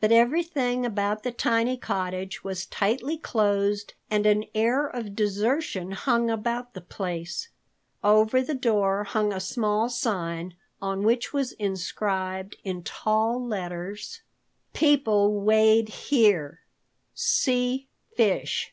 But everything about the tiny cottage was tightly closed, and an air of desertion hung about the place. Over the door hung a small sign on which was inscribed in tall letters: PEOPLE WEIGHED HERE. C. FISH.